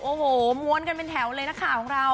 โอ้โหม้วนกันเป็นแถวเลยนักข่าวของเรา